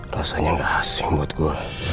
rasanya gak asing buat gue